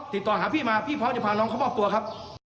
ติดต่อหาพี่มาพี่พร้อมจะพาน้องเข้ามอบตัวครับ